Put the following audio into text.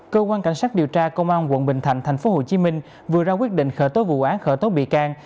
cơ quan cảnh sát điều tra công an tp hcm vừa ra quyết định khởi tố vụ án khởi tố bị can